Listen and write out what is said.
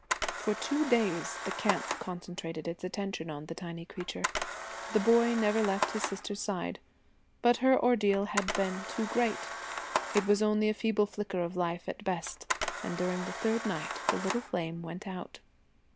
For two days the camp concentrated its attention on the tiny creature. The boy never left his sister's side. But her ordeal had been too great. It was only a feeble flicker of life at best, and during the third night the little flame went out.